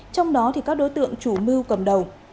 trong đó các đối tượng chủ mưu cầm đầu